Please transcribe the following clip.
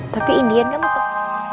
tapi indian kamu tuh